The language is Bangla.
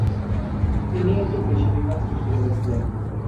তিনি একটি কৃষি বিভাগ সৃষ্টি করেছিলেন।